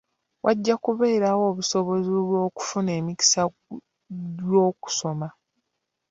Wajja kubeerawo obusobozi bw'okufuna emikisa gy'okusoma.